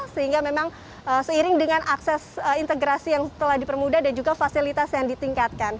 sehingga memang seiring dengan akses integrasi yang telah dipermudah dan juga fasilitas yang ditingkatkan